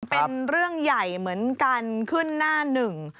เป็นเรื่องใหญ่เหมือนกันขึ้นหน้าหนึ่ง